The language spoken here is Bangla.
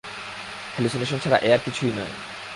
হেলুসিনেশন ছাড়া এ আর কিছুই নয়।